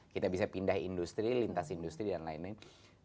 kita bisa pindah industri lintas industri dan lain lain